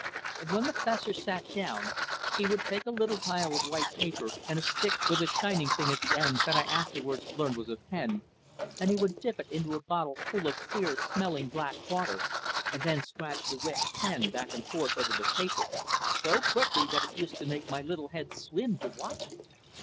And when the Fessor sat down he would take a little pile of white paper, and a stick with a shining thing at the end that I afterwards learned was a pen, and he would dip it into a bottle full of queer smelling black water and then scratch the wet pen back and forth over the paper, so quickly that it used to make my little head swim to watch him.